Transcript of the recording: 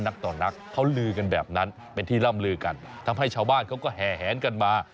นักต่อนักเขาลือกันแบบนั้นเป็นที่ล่ำลือกันทำให้ชาวบ้านเขาก็แห่แหนกันมา